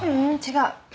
違う。